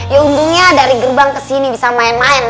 ya untungnya dari gerbang ke sini bisa main main